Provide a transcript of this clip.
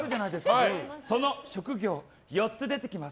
そんな職業が４つ出てきます。